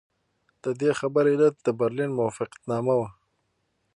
د دې خبرې علت د برلین موافقتنامه وه.